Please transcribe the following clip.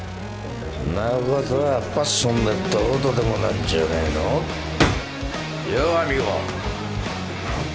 んなことはパッションでどうとでもなんじゃねえのようアミーゴ！